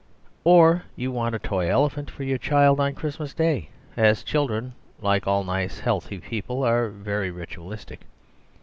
Or you want a toy elephant for your child on Christmas Day; as children, like all nice and healthy people, are very ritualistic.